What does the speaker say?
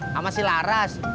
sama si laras